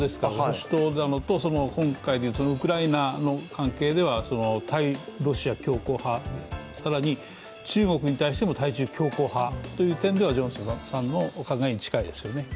今回でいうと、ウクライナの関係では、対ロシア強硬派、さらに中国に対しても対中強硬派という中ではジョンソンさんの考え方に近いですね。